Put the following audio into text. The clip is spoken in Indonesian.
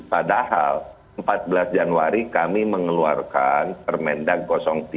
padahal empat belas januari kami mengeluarkan permendak tiga